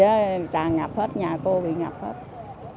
tràn ngập hết nhà cô bị ngập hết